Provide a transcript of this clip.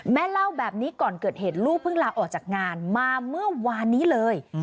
แม่เล่าแบบนี้ก่อนเกิดเหตุลูกเพิ่งลาออกจากงานมาเมื่อวานนี้เลย